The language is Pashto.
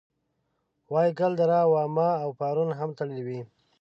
وایګل دره واما او پارون هم تړلې وې.